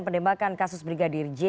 pendembakan kasus brigadir j